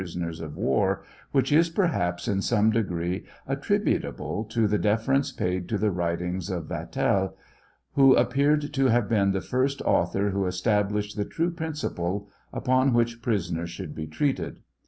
soners of war, which is perhaps in some degree attributable to the deference paid to the writings of Vattel who appeared to have been the first author w ho established the true principle upon which prisoners should be treated.